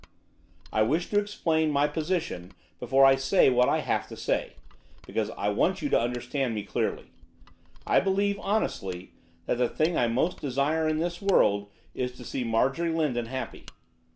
'I wish to explain my position before I say what I have to say, because I want you to understand me clearly. I believe, honestly, that the thing I most desire in this world is to see Marjorie Lindon happy.